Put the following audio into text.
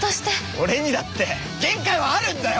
俺にだって限界はあるんだよ！